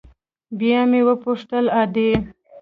بيا مې وپوښتل ادې.